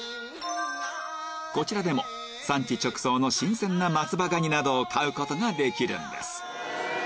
こちらでも産地直送の新鮮な松葉ガニなどを買うことができるんです